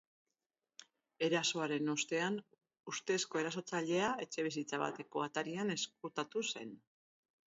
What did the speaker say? Erasoaren ostean, ustezko erasotzailea etxebizitza bateko atarian ezkutatu zen.